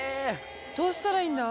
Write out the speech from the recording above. どうしたらいいんだ？